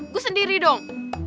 gue sendiri dong